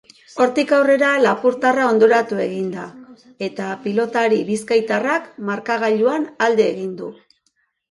Hortik aurrera lapurtarra hondoratu egin da eta pilotari bizkaitarrak markagailuan alde egin du.